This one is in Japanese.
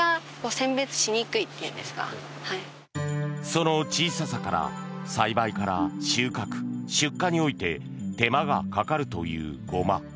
その小ささから栽培から収穫、出荷において手間がかかるというゴマ。